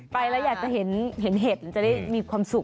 ไปแล้วอยากจะเห็นเห็ดจะได้มีความสุข